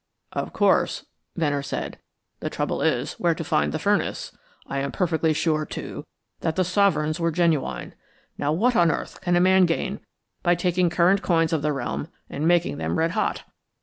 "Of course," Venner said. "The trouble is where to find the furnace. I am perfectly sure, too, that the sovereigns were genuine. Now what on earth can a man gain by taking current coins of the realm and making them red hot?